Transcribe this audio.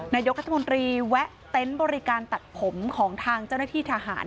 นายกรัฐมนตรีแวะเต็นต์บริการตัดผมของทางเจ้าหน้าที่ทหาร